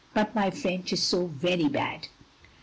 But my French is so very bad.